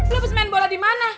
lo bes main bola di mana